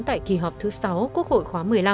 tại kỳ họp thứ sáu quốc hội khóa một mươi năm